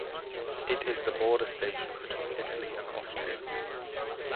It is the border station between Italy and Austria.